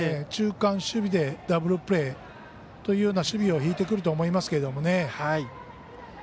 中間守備でダブルプレーという守備を敷いてくると思いますけど。